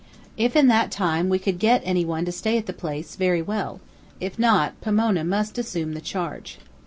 If in that time we could get any one to stay at the place, very well; if not, Pomona must assume the charge.